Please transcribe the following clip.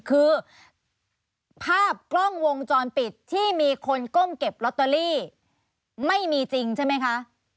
คือภาพกล้องวงจรปิดที่มีคนก้มเก็บลอตเตอรี่ไม่มีจริงใช่ไหมคะ